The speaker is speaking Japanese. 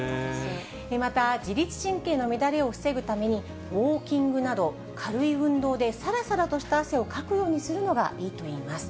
また、自律神経の乱れを防ぐために、ウォーキングなど軽い運動でさらさらとした汗をかくようにするのがいいといいます。